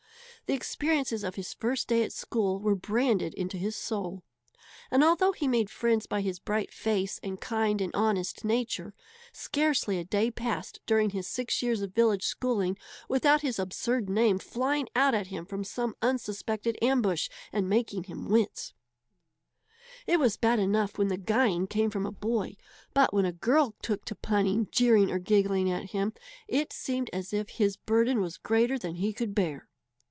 The experiences of his first day at school were branded into his soul; and although he made friends by his bright face and kind and honest nature, scarcely a day passed during his six years of village schooling without his absurd name flying out at him from some unsuspected ambush and making him wince. [Footnote 16: From the Youth's Companion, November 26, 1903.] It was bad enough when the guying came from a boy, but when a girl took to punning, jeering, or giggling at him it seemed as if his burden was greater than he could bear.